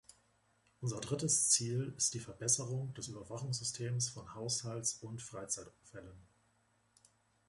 Unser drittes Ziel ist die Verbesserung des Überwachungssystems von Haushalts- und Freizeitunfällen.